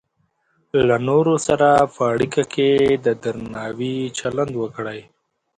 له نورو سره په اړیکه کې د درناوي چلند وکړئ.